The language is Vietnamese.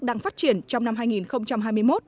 đang phát triển trong năm hai nghìn hai mươi một